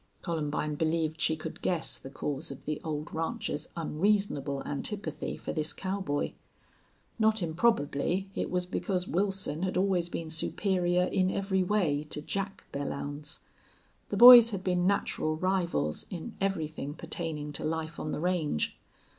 Columbine believed she could guess the cause of the old rancher's unreasonable antipathy for this cowboy. Not improbably it was because Wilson had always been superior in every way to Jack Belllounds. The boys had been natural rivals in everything pertaining to life on the range.